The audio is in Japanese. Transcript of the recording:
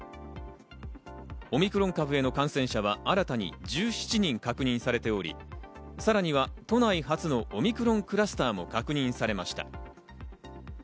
オミクロン株への感染者は新たに１７人確認されており、さらには都内初のオミクロンクラスターも確認されました。